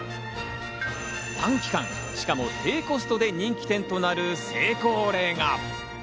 短期間、しかも低コストで人気となる成功例が。